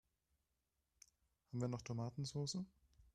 Haben wir noch Tomatensoße?